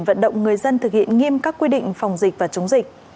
vận động người dân thực hiện nghiêm các quy định phòng dịch và chống dịch